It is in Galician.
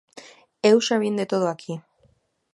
Eu xa vin de todo aquí.